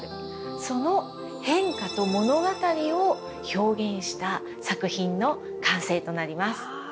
その変化と物語を表現した作品の完成となります。